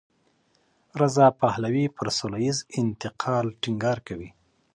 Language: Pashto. رضا پهلوي پر سولهییز انتقال ټینګار کوي.